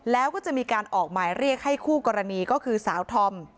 แล้วก็จะมีการออกหมายเรียกให้คู่กรณีก็คือสาวธอม